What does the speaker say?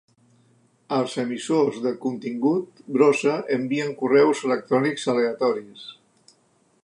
Els emissors de contingut brossa envien correus electrònics aleatoris.